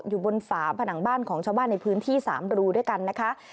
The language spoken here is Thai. อยู่บนฝาผนังบ้านของชาวบ้านในพื้นที่๓รูด้วยกันนะคะ